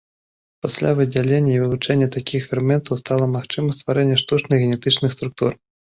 Пасля выдзялення і вывучэння такіх ферментаў стала магчыма стварэнне штучных генетычных структур.